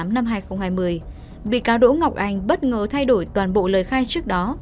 năm hai nghìn hai mươi bị cáo đỗ ngọc anh bất ngờ thay đổi toàn bộ lời khai trước đó